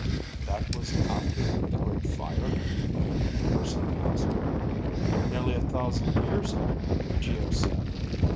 "That was after the Great Fire?" Urson asked. "Nearly a thousand years after," Geo said.